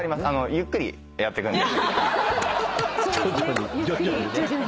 ゆっくりやってくんで。